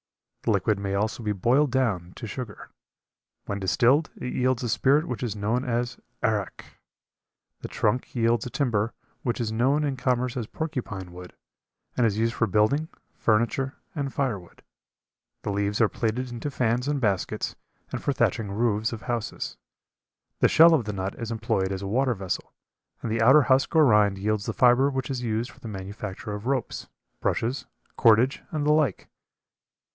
The liquid may also be boiled down to sugar. When distilled it yields a spirit which is known as "arrack." The trunk yields a timber which is known in commerce as porcupine wood, and is used for building, furniture, and firewood; the leaves are plaited into fans and baskets, and for thatching roofs of houses; the shell of the nut is employed as a water vessel, and the outer husk or rind yields the fiber which is used for the manufacture of ropes, brushes, cordage and the like.